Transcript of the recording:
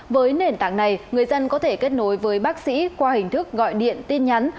với nền tảng này người dân có thể kết nối với bác sĩ qua hình thức gọi điện tin nhắn